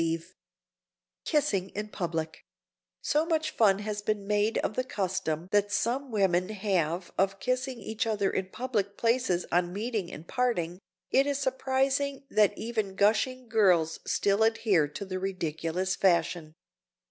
[Sidenote: KISSING IN PUBLIC] So much fun has been made of the custom that some women have of kissing each other in public places on meeting and parting, it is surprising that even gushing girls still adhere to the ridiculous fashion.